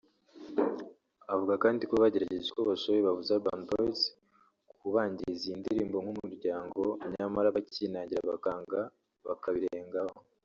Avuga kandi ko bagerageje uko bashoboye babuza Urban Boyz kubangiririza iyi ndirimbo nk’umuryango nyamara bakinangira bakanga bakabirengaho